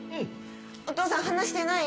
お父さん離してない？